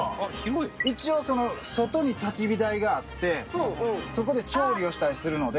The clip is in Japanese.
一応その外に焚火台があってそこで調理をしたりするので。